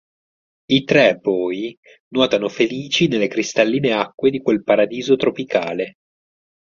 I tre poi nuotano felici nelle cristalline acque di quel paradiso tropicale.